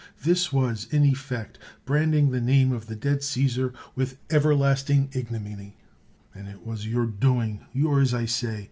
This was in effect branding the name of the dead Caesar with everlasting ignominy, and it was your doing — ^yours I say.